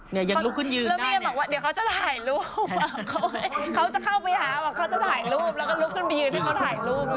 แล้วก็ลุบขึ้นไปยืนให้เขาถ่ายรูป